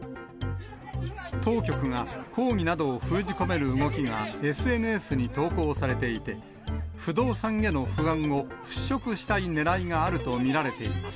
当局が抗議などを封じ込める動きがＳＮＳに投稿されていて、不動産への不安を払拭したいねらいがあると見られています。